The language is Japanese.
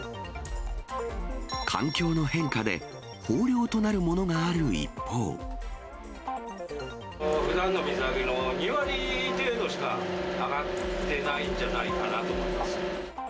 環境の変化で豊漁となるものがある一方。ふだんの水揚げの２割程度しか揚がってないんじゃないかなと思います。